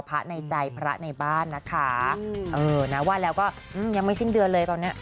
พระในใจพระในบ้านนะคะเออนะว่าแล้วก็ยังไม่สิ้นเดือนเลยตอนเนี้ย